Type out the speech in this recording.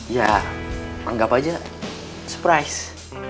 ya anggap aja surprise